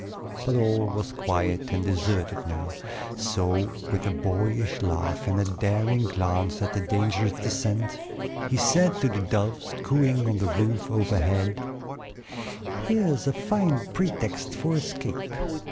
But all was quiet and deserted now; so, with a boyish laugh and a daring glance at the dangerous descent, he said to the doves cooing on the roof overhead: "Here's a fine pretext for escape.